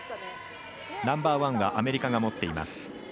ナンバーワンアメリカが持っています。